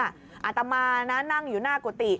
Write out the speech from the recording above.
อาตมานะนั่งอยู่หน้ากุฏิ